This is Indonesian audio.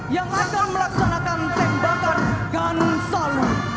yang akan melaksanakan tembakan gansalu